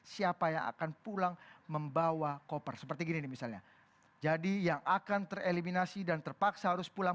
siapa yang akan pulang membawa koper seperti gini nih misalnya jadi yang akan tereliminasi dan terpaksa harus pulang